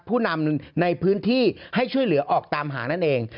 ผู้นำในพื้นที่ให้ช่วยเหลือออกตามหานั่นเอง